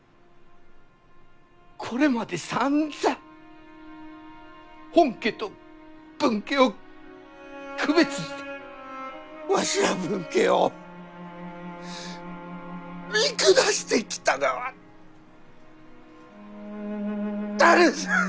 これまでさんざん本家と分家を区別してわしら分家を見下してきたがは誰じゃ。